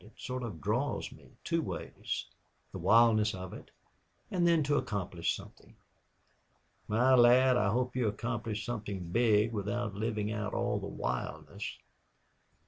It sort of draws me two ways the wildness of it and then to accomplish something." "My lad, I hope you will accomplish something big without living out all the wildness."